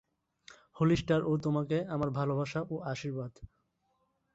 হলিস্টার ও তোমাকে আমার ভালবাসা ও আশীর্বাদ।